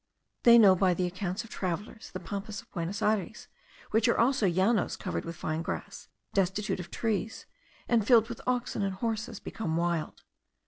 They know by the accounts of travellers the Pampas of Buenos Ayres, which are also Llanos covered with fine grass, destitute of trees, and filled with oxen and horses become wild.